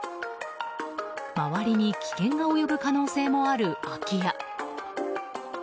周りに危険が及ぶ可能性もある空き家。